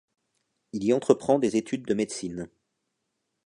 Il y entreprend des études de médecine.